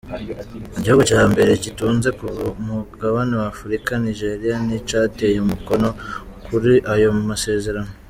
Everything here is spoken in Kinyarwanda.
Igihugu ca mbere gitunze ku mugabane wa Afrika, Nigeria, nticateye umukono kuri ayo masezerano.